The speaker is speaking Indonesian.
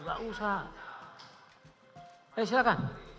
silahkan itu sudah tahu dia